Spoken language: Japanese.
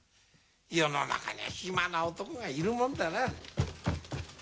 世の中には暇な男がいるもんだな。